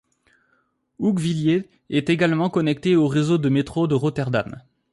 Hoogvliet est également connecté au réseau de métro de Rotterdam.